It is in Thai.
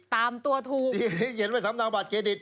ตามตัวถูกที่เขียนไว้สำเนาบัตรเครดิต